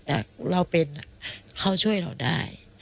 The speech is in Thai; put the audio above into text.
แต่เราเป็นเขาช่วยเราได้